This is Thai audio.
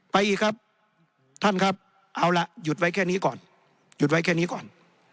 อีกครับท่านครับเอาล่ะหยุดไว้แค่นี้ก่อนหยุดไว้แค่นี้ก่อน